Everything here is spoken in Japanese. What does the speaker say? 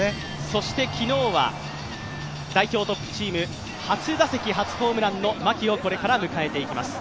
そして、昨日は代表トップチーム初打席初ホームランの牧をこれから迎えていきます。